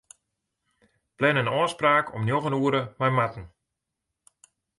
Plan in ôfspraak om njoggen oere mei Marten.